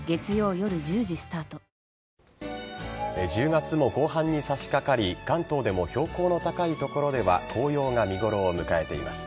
１０月も後半に差しかかり関東でも標高の高い所では紅葉が見頃を迎えています。